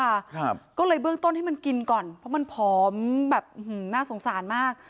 ครับก็เลยเบื้องต้นให้มันกินก่อนเพราะมันผอมแบบน่าสงสารมาก